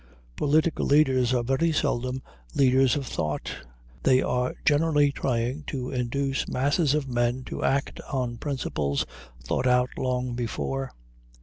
Political leaders are very seldom leaders of thought; they are generally trying to induce masses of men to act on principles thought out long before.